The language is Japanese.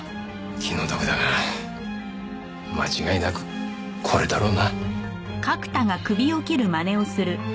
気の毒だが間違いなくこれだろうな。